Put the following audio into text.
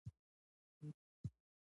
احمقي بد دی.